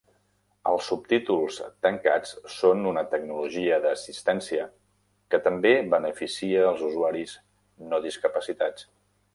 Els subtítols tancats són una tecnologia d'assistència que també beneficia els usuaris no discapacitats.